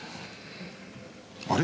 あれ！？